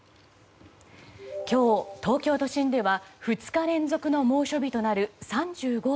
今日、東京都心では２日連続の猛暑日となる３５．９度。